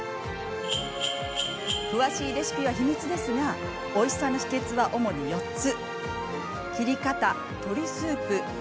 詳しいレシピは秘密ですがおいしさの秘けつは主に４つ。